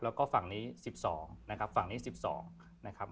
แล้วก็ฝั่งนี้๑๒นะครับฝั่งนี้๑๒นะครับ